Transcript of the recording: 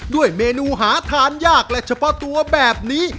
ด้วยเมนูหาทานยากและเฉพาะตัวแบบนี้